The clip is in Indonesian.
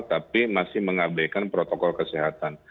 tapi masih mengabaikan protokol kesehatan